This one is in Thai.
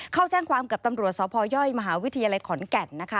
เข้าแจ้งความกับตำรวจสพยมหาวิทยาลัยขอนแก่นนะคะ